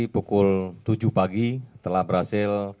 pukul tujuh pagi telah berhasil